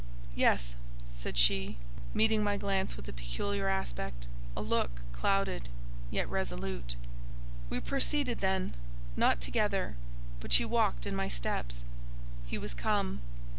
"Yes," said she; meeting my glance with a peculiar aspect—a look, clouded, yet resolute. We proceeded then, not together, but she walked in my steps. He was come.